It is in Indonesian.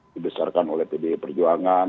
dibesarkan oleh tdi perjuangan